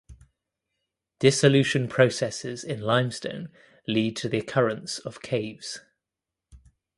Dissolution processes in limestone lead to the occurrence of caves.